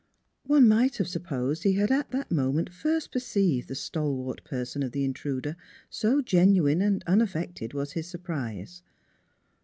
One might have supposed he had at that moment first perceived the stalwart person of the intruder, so genuine and unaffected was his surprise.